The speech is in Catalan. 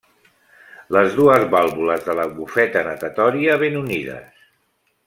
Les dues vàlvules de la bufeta natatòria ben unides.